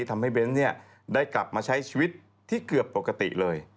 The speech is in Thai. เบนส์ได้กลับมาใช้ชีวิตที่เกือบปกติเลย